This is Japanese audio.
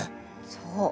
そう。